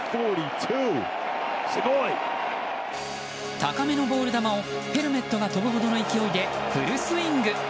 高めのボール球をヘルメットが飛ぶほどの勢いでフルスイング！